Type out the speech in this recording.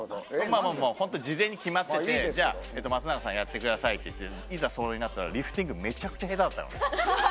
事前に決まっててじゃあ、松永さんやってくださいってなっていざ、それになったらリフティングめちゃくちゃ下手だった。